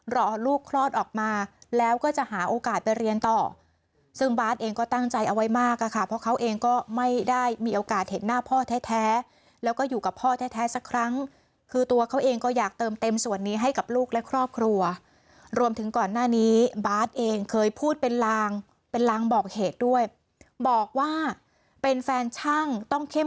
รอลูกคลอดออกมาแล้วก็จะหาโอกาสไปเรียนต่อซึ่งบาทเองก็ตั้งใจเอาไว้มากอะค่ะเพราะเขาเองก็ไม่ได้มีโอกาสเห็นหน้าพ่อแท้แล้วก็อยู่กับพ่อแท้สักครั้งคือตัวเขาเองก็อยากเติมเต็มส่วนนี้ให้กับลูกและครอบครัวรวมถึงก่อนหน้านี้บาร์ดเองเคยพูดเป็นลางเป็นลางบอกเหตุด้วยบอกว่าเป็นแฟนช่างต้องเข้ม